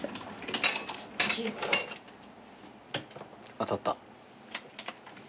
当たった。